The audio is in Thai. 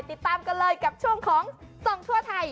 ติดตามกันเลยกับช่วงของส่องทั่วไทย